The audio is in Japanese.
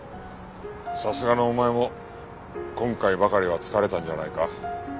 さすがのお前も今回ばかりは疲れたんじゃないか？